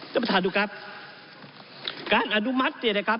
ท่านประธานดูครับการอนุมัติเนี่ยนะครับ